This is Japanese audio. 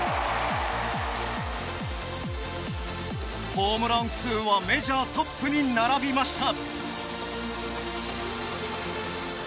ホームラン数はメジャートップに並びました。